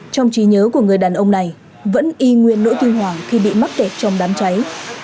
trong trí nhớ của người đàn ông này vẫn y nguyên nỗi kinh hoàng khi bị mắc kẹt trong đám cháy